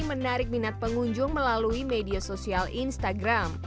menarik minat pengunjung melalui media sosial instagram